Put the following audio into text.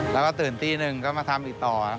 แล้วก็ตื่นตีหนึ่งก็มาทำอีกต่อครับ